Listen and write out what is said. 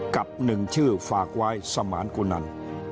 กับหนึ่งชื่อฝากไว้สมานกุนัน